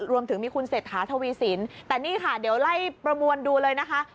รวมถึงมีคุณเศรษฐาทวีสินแต่นี่ค่ะเดี๋ยวไล่ประมวลดูเลยนะคะ